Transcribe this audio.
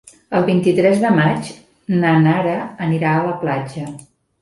El vint-i-tres de maig na Nara anirà a la platja.